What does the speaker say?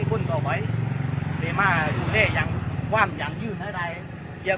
คุณก็ไว้ในมาร์ทที่เนี้ยยังว่าอย่างยื่นให้ใดเกี่ยว